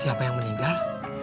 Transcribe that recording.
siapa yang meninggal